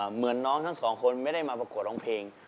เหมือนน้องทั้งสองคนไม่ได้มาประกวดร้องเพลง